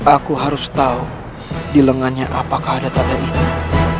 aku harus tahu di lengannya apakah ada tanda itu